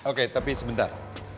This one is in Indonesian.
oke tapi sebentar